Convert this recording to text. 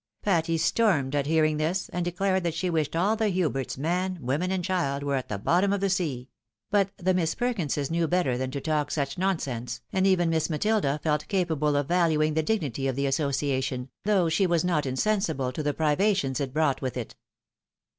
Patty stormed at hearing this, and declared that she wished all the Huberts, man, woman, and child, were at the bottom of the 166 THE WIDOW MARRIED. sea ; but the Miss Perkinses knew better than to talk such non sense, and even Miss Matilda felt capable of valuing the dignity of the association, though she was not insensible to the priva tions it brought with it.